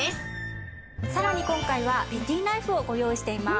さらに今回はペティナイフをご用意しています。